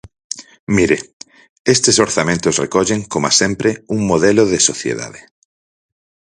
Mire, estes orzamentos recollen, coma sempre, un modelo de sociedade.